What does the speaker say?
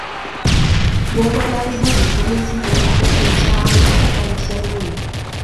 nde mandoi nguni komesirei amu chang garishek nguni